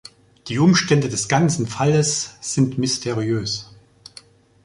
Die Umstände des ganzen Falles sind mysteriös.